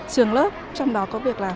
trường lớp trong đó có việc là